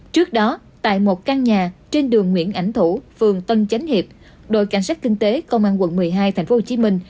trước đó tại một căn nhà trên đường nguyễn ảnh thủ phường tân chánh hiệp đội cảnh sát kinh tế công an quận một mươi hai tp hcm